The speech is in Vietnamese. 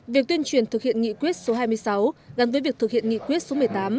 việc tuyên truyền thực hiện nghị quyết số hai mươi sáu gắn với việc thực hiện nghị quyết số một mươi tám